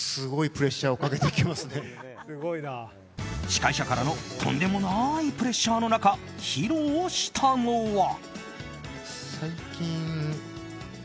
司会者からのとんでもないプレッシャーの中披露したのは。